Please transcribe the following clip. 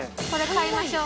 買いましょう！